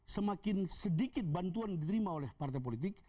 semakin sedikit bantuan diterima oleh partai politik